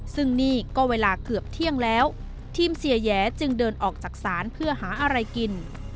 ซึ่งนี่ก็เวลาเกือบเที่ยงแล้วทีมเสียแย้จึงเดินออกจากศาลเพื่อหาอะไรกิน